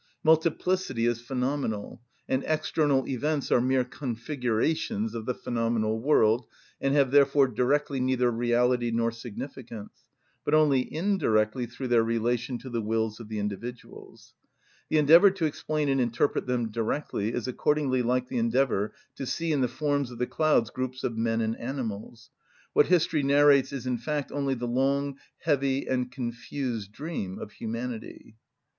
Multiplicity is phenomenal, and external events are mere configurations of the phenomenal world, and have therefore directly neither reality nor significance, but only indirectly through their relation to the wills of the individuals. The endeavour to explain and interpret them directly is accordingly like the endeavour to see in the forms of the clouds groups of men and animals. What history narrates is in fact only the long, heavy, and confused dream of humanity.